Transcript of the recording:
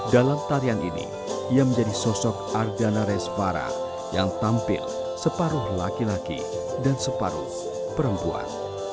dalam tarian ini ia menjadi sosok ardana resvara yang tampil separuh laki laki dan separuh perempuan